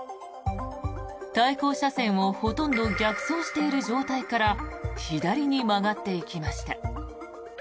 対向車線をほとんど逆走している状態から左に曲がっていきました。